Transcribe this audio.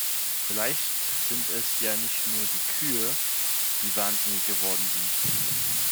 Vielleicht sind es ja nicht nur die Kühe, die wahnsinnig geworden sind.